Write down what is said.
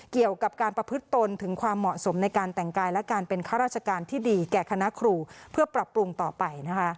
เกี่ยวกับการประพฤติตนถึงความเหมาะสมในการแต่งกายและการเป็นข้าราชการที่ดีแก่คณะครูเพื่อปรับปรุงต่อไปนะคะ